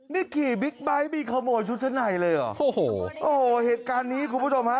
นี่ขี่บิ๊กไบท์ไปขโมยชุดชั้นในเลยเหรอโอ้โหโอ้โหเหตุการณ์นี้คุณผู้ชมฮะ